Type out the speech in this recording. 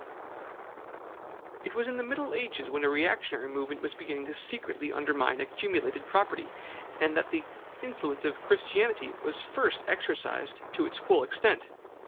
It was in the middle ages, when a reactionary movement was beginning to secretly undermine accumulated property, that the influence of Christianity was first exercised to its full extent.